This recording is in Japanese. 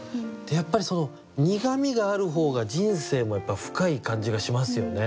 やっぱりその苦みがある方が人生も深い感じがしますよね。